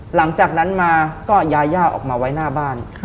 หลังจากนั้นมาก็ยาย่าออกมาไว้หน้าบ้าน